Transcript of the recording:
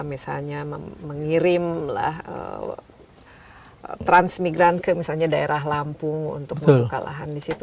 misalnya mengirim transmigran ke misalnya daerah lampung untuk membuka lahan di situ